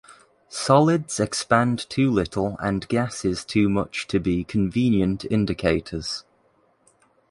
Solids expand too little and gases too much to be convenient indicators.